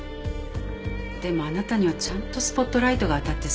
でもあなたにはちゃんとスポットライトが当たってそう。